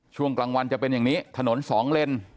ช่วงกลางวันจะเป็นอย่างนี้ถนนสองเลน